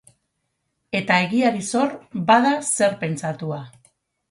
Eta egiari zor, bada zer pentsatua.